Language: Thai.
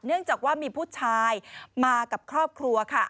เนื่องจากว่ามีผู้ชายมากับครอบครัวค่ะ